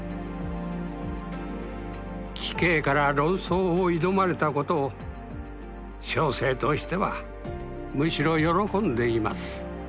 「貴兄から論争を挑まれたことを小生としてはむしろ喜んでいます」。